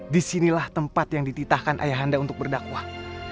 disinilah tempat yang dititahkan ayahanda untuk berdakwah